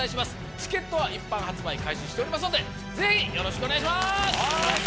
チケットは一般発売開始しておりますのでぜひよろしくお願いします。